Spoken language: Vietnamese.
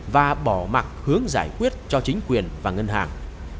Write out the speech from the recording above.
và bỏ mặt hướng giải quyết cho chính quyền và ngân hàng